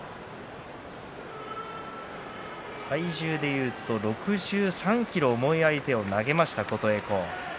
体重でいえば６３ｋｇ重い相手を投げました、琴恵光。